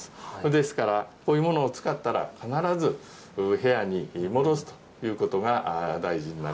ですから、こういったものを使ったら、必ず部屋に戻すということが大事にな